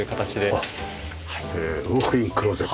あっウォークインクローゼット。